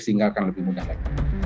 sehingga akan lebih mudah lagi